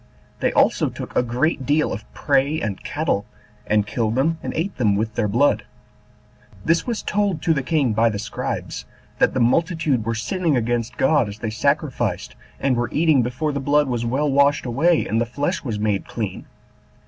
They also took a great deal of prey and cattle, and killed them, and ate them with their blood. This was told to the king by the scribes, that the multitude were sinning against God as they sacrificed, and were eating before the blood was well washed away, and the flesh was made clean.